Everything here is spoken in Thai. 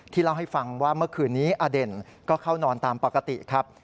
เล่าให้ฟังว่าเมื่อคืนนี้อเด่นก็เข้านอนตามปกติครับ